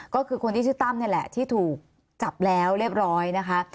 ก็คือคนที่ชื่อตั้มนี่แหละที่ถูกจับแล้วเรียบร้อยนะคะ